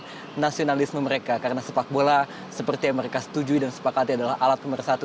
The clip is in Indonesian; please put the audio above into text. dan nasionalisme mereka karena sepak bola seperti yang mereka setujui dan sepakatnya adalah alat pemerintah satu